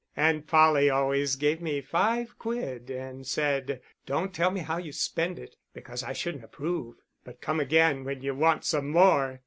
Aunt Polly always gave me five quid, and said, 'Don't tell me how you spend it, because I shouldn't approve; but come again when you want some more.